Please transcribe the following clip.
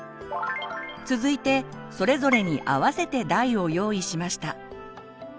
続いてそれぞれに合わせて台を用意しました。